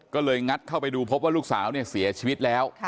ก็เลยงัดเข้าไปดูพบว่าลูกสาวเนี่ยเสียชีวิตแล้ว